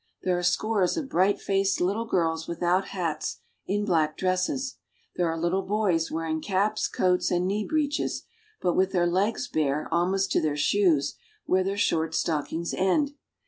There are scores of bright faced little girls without hats, in black dresses. There are little boys wearing caps, coats, and knee breeches, but with their legs bare almost to their shoes, where their short stockings end.